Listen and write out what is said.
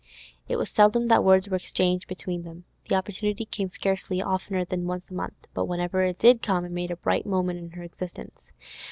It was seldom that words were exchanged between them; the opportunity came scarcely oftener than once a month; but whenever it did come, it made a bright moment in her existence.